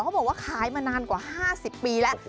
บอกว่าขายมานานกว่า๕๐ปีแล้ว